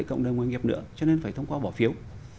cộng đồng doanh nghiệp nữa cho nên phải thông qua bỏ phiếu